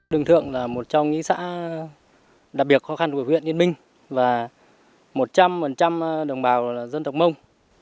đường thượng là một trong những xã đặc biệt khó khăn của huyện yên minh và một trăm linh đồng bào dân tộc mông